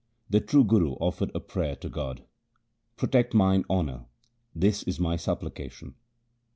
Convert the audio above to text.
1 The true Guru offered a prayer to God, ' Protect mine honour ; this is my supplication.